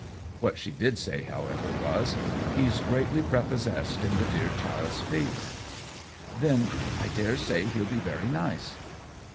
What she did say, however, was, " He's greatly prepossessed in the dear child's favor." " Then I dare say he'll be very nice."